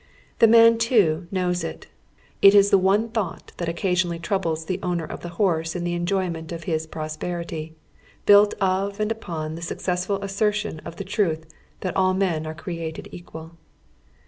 The man too knows it. It is the one thought that occasionally troubles the owner of tlic liorso in the enjoyment of his prosperity, =,Google THE DOWN TOWN BACK ALLEYS. 41 built of and upon the successful assertion of the truth that all men are ci'eated equal.